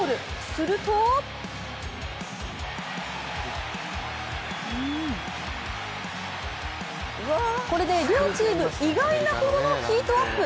するとこれで両チーム、意外なほどのヒートアップ。